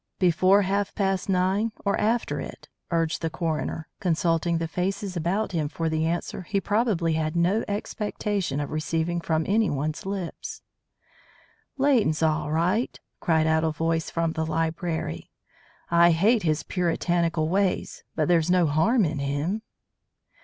"Before half past nine or after it?" urged the coroner, consulting the faces about him for the answer he probably had no expectation of receiving from anyone's lips. "Leighton's all right," cried out a voice from the library. "I hate his puritanical ways, but there's no harm in him."